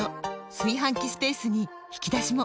炊飯器スペースに引き出しも！